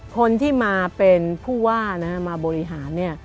คนที่มาเป็นผู้ว่ามาบริหาร